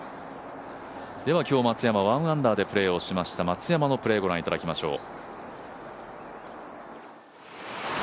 今日松山は１アンダーでプレーしました、松山のプレー、ご覧いただきましょう。